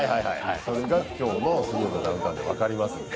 それが今日の「水曜日のダウンタウン」で分かりますので。